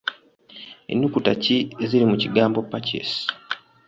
Ennukuta ki eziri mu kigambo Purchase?